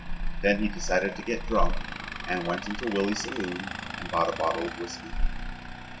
Then he decided to get drunk and went into Willy's saloon and bought a bottle of whiskey.